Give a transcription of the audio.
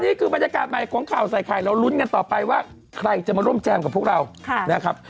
นี่คือบรรยากาศใหม่ของข่าวใส่ไข่เรารุ้นกันต่อไปว่าใครจะมาร่วมแจมกับพวกเรานะครับ